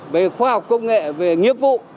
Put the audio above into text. về khoa học công nghệ về nghiệp vụ